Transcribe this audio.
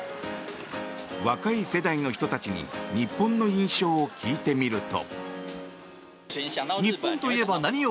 若い世代の人たちに日本の印象を聞いてみると。